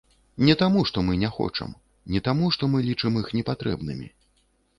Не таму, што мы не хочам, не таму, што мы лічым іх непатрэбнымі.